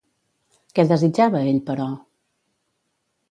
Què desitjava ell, però?